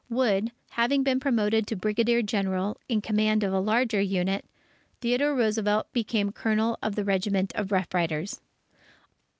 Wood having been promoted to Brigadier General, in command of a larger unit, Theodore Roosevelt became Colonel of the regiment of Rough Riders.